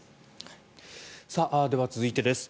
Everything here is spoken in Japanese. では、続いてです。